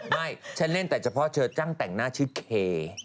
ไม่ฉันเล่นแต่เฉพาะเธอจ้างแต่งหน้าชื่อเค